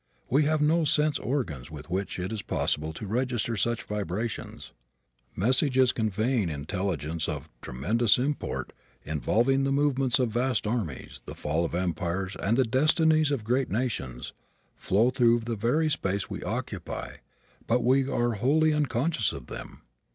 We have no sense organs with which it is possible to register such vibrations. Messages conveying intelligence of tremendous import, involving the movements of vast armies, the fall of empires and the destinies of great nations, flow through the very space we occupy but we are wholly unconscious of them.